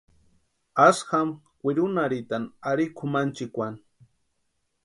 Asï jama kwirunharhitani arini kʼumanchikwani.